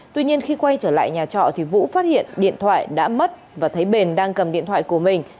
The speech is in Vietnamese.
tuy nhiên khi quay trở lại nhà trọ thì vũ phát hiện điện thoại đã mất và thấy bền đang cầm điện thoại của mình